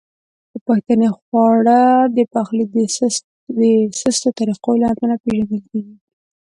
پښتني خواړه د پخلي د سستو طریقو له امله پیژندل کیږي.